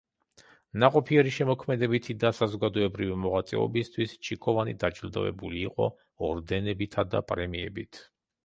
ნაყოფიერი შემოქმედებითი და საზოგადოებრივი მოღვაწეობისათვის ჩიქოვანი დაჯილდოებული იყო ორდენებითა და პრემიებით.